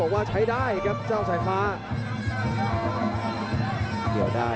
พยายามจะไถ่หน้านี่ครับการต้องเตือนเลยครับ